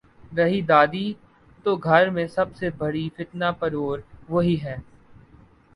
رہی دادی تو گھر میں سب سے بڑی فتنہ پرور وہی ہے۔